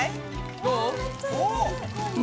どう？